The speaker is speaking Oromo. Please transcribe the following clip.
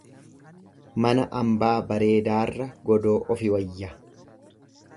Mana ambaa bareedaarra godoo ofi wayya.